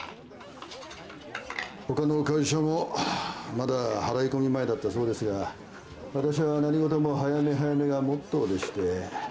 他の会社もまだ払い込み前だったそうですが私は何事も早め早めがモットーでして。